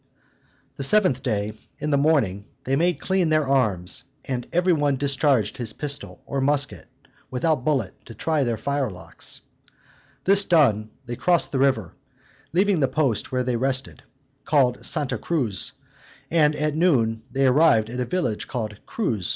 The seventh day, in the morning, they made clean their arms, and every one discharged his pistol, or musket, without bullet, to try their firelocks. This done, they crossed the river, leaving the post where they had rested, called Santa Cruz, and at noon they arrived at a village called Cruz.